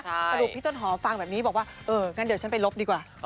สรุปพี่ต้นหอมฟังแบบนี้บอกว่าเอองั้นเดี๋ยวฉันไปลบดีกว่า